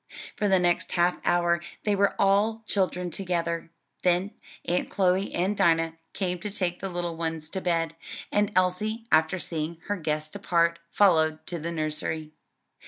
For the next half hour they were all children together; then Aunt Chloe and Dinah came to take the little ones to bed, and Elsie, after seeing her guests depart, followed to the nursery.